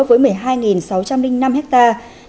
với một mươi hai sáu trăm linh năm hectare